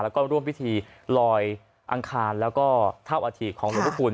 แล้วก็ร่วมพิธีลอยอังคารแล้วก็เท่าอาถิของหลวงพระคุณ